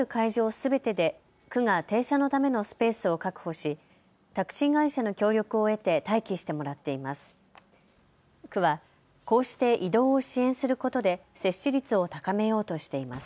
すべてで区が停車のためのスペースを確保しタクシー会社の協力を得て待機してもらっています。